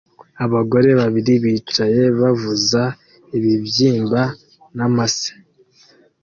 Abagore babiri bicaye bavuza ibibyimba n'amase